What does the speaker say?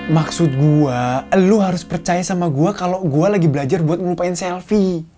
maksud gue lo harus percaya sama gue kalau gue lagi belajar buat melupain selfie